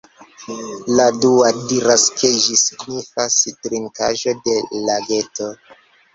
La dua diras ke ĝi signifas "trinkaĵo de lageto".